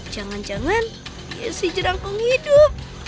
jangan jangan dia si jerang penghidup